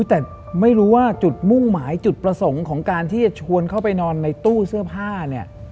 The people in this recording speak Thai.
แต่ไม่รู้ว่าจุดมุ่งหมายจุดประสงค์ของการที่จะชวนเข้าไปนอนในตู้เสื้อผ้าเนี่ย